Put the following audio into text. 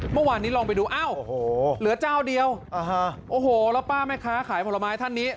เมื่อวานนี้ลองไปดูอ้าวโอ้โหเหลือเจ้าเดียวโอ้โหแล้วป้าแม่ค้าขายผลไม้ท่านนี้